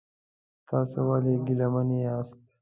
تاسو ولې ګیلمن یاست؟